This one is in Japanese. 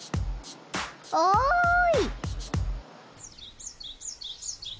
おい！